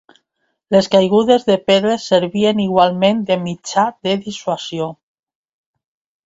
Les caigudes de pedres servien igualment de mitjà de dissuasió.